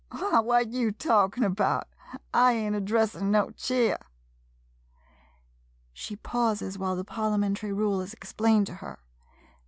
Why, what you talkin' 'bout — I ain't addressin' no cheer ! [She pauses while the parliamentary rule is explained to her.